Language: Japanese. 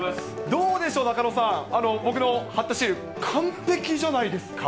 どうでしょう、仲野さん、僕の貼ったシール、完璧じゃないですか？